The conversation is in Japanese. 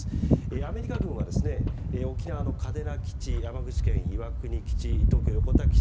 アメリカ軍は沖縄の嘉手納基地山口県、岩国基地東京、横田基地